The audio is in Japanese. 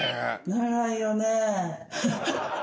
長いよね。